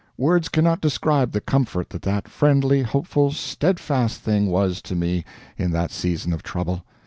Words cannot describe the comfort that that friendly, hopeful, steadfast thing was to me in that season of trouble.